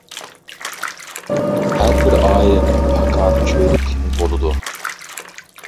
ھەربىر ئائىلىنىڭ پاكار چۆرە تېمى بولىدۇ.